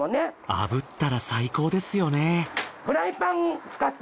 炙ったら最高ですよね。